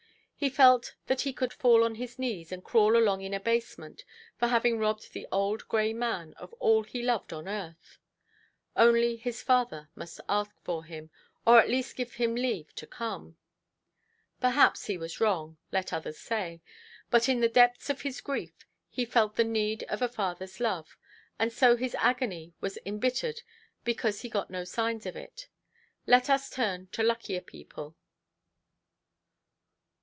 He felt that he could fall on his knees, and crawl along in abasement, for having robbed the old grey man of all he loved on earth. Only his father must ask for him, or at least give him leave to come. Perhaps he was wrong. Let others say. But in the depths of his grief he felt the need of a fatherʼs love; and so his agony was embittered because he got no signs of it. Let us turn to luckier people.